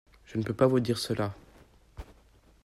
Je ne peux que vous dire cela.